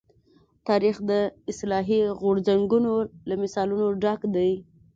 تاریخ د اصلاحي غورځنګونو له مثالونو ډک دی.